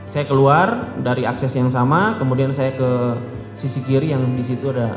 saya keluar dari akses yang sama kemudian saya ke sisi kiri yang disitu ada